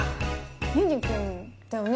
ゆにくんだよね？